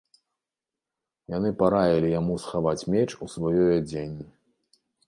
Яны параілі яму схаваць меч у сваёй адзенні.